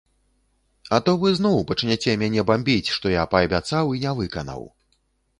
А то вы зноў пачняце мяне бамбіць, што я паабяцаў і не выканаў.